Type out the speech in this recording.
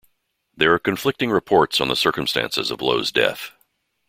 There are conflicting reports on the circumstances of Low's death.